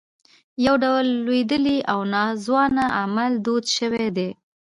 یو ډول لوېدلي او ناځوانه اعمال دود شوي دي.